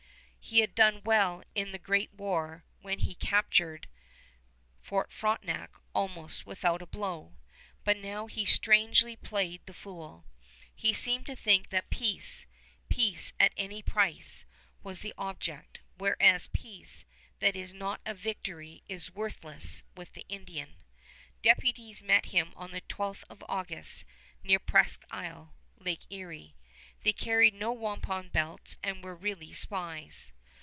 He had done well in the great war when he captured Fort Frontenac almost without a blow; but now he strangely played the fool. He seemed to think that peace, peace at any price, was the object, whereas peace that is not a victory is worthless with the Indian. Deputies met him on the 12th of August near Presqu' Isle, Lake Erie. They carried no wampum belts and were really spies.